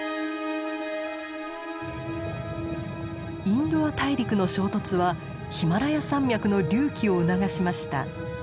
インド亜大陸の衝突はヒマラヤ山脈の隆起を促しました。